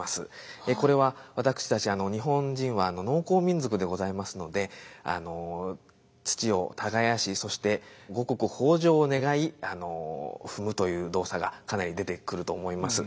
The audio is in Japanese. これは私たち日本人は農耕民族でございますので土を耕しそして五穀豊穣を願い踏むという動作がかなり出てくると思います。